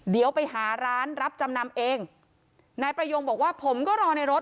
เดี๋ยวไปหาร้านรับจำนำเองนายประยงบอกว่าผมก็รอในรถ